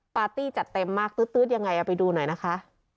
ปาร์ตี้จัดเต็มมากตื๊ดยังไงเอาไปดูหน่อยนะคะ